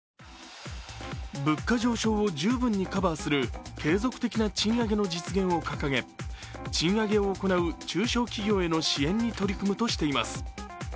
物価上昇を十分にカバーする継続的な賃上げの実現を掲げ賃上げを行う中小企業への支援に取り組むとしています。